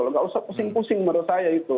nggak usah pusing pusing menurut saya itu